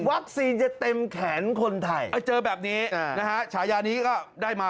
จะเต็มแขนคนไทยเจอแบบนี้นะฮะฉายานี้ก็ได้มา